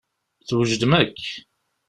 Twejdem akk.